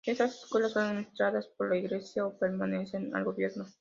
Estas escuelas son administradas por la Iglesia o pertenecen al gobierno.